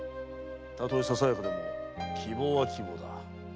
たとえささやかでも希望は希望だ。